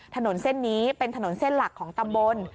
ถนนเส้นนี้เป็นถนนเส้นหลักของตำบล